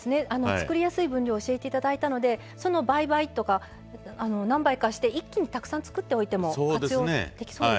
作りやすい分量を教えて頂いたのでその倍倍とか何倍かして一気にたくさん作っておいても活用できそうですね。